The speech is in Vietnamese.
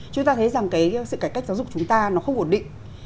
chúng ta thấy rằng cái sự cải cách giáo dục chúng ta nó không ổn định